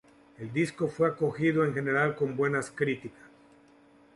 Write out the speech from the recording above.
El disco fue acogido en general con buenas críticas.